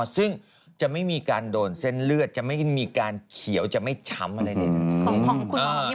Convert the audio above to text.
ซึ่งจะไม่มีการโดนเส้นเลือดจะไม่มีการเขียวจะไม่ช้ำอะไรใดทั้งสิ้น